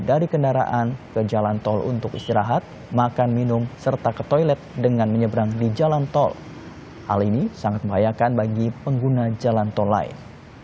kri banda aceh lima ratus sembilan puluh tiga berangkat dari surabaya dari sabtu kemarin